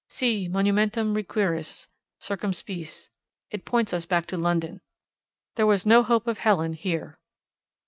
Si monumentum requiris, circumspice: it points us back to London. There was no hope of Helen here.